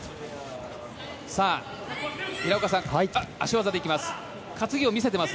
平岡さん、足技で行きます。